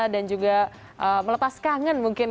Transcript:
dan juga melepas kangen mungkin